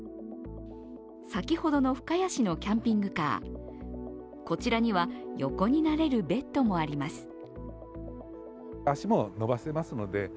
先ほどの深谷市のキャンピングカー、こちらには横になれるベッドもあります。